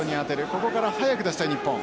ここから早く出したい日本。